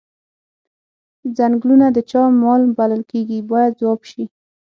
څنګلونه د چا مال بلل کیږي باید ځواب شي.